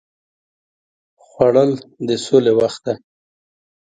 خوړل د سولې وخت دی